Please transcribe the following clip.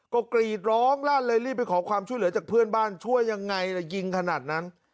ก็กรีดร้องลั่นเลยรีบไปขอความช่วยเหลือจากเพื่อนบ้านช่วยยังไงล่ะยิงขนาดนั้น